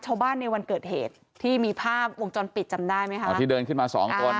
ชาวบ้านในวันเกิดเหตุที่มีภาพวงจรปิดจำได้ไหมคะอ๋อที่เดินขึ้นมาสองคน